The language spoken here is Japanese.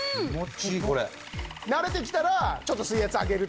慣れてきたらちょっと水圧上げるとか。